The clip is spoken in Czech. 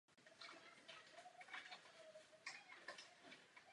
Vystupuje zde pod jménem Kevin Owens.